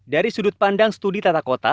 dari sudut pandang studi tata kota